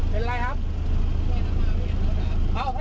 เป็นไรครับ